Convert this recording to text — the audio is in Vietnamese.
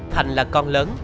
thành là con lớn